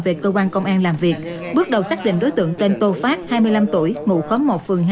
về cơ quan công an làm việc bước đầu xác định đối tượng tên tô phát hai mươi năm tuổi ngụ khóm một phường hai